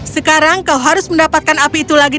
sekarang kau harus mendapatkan api itu lagi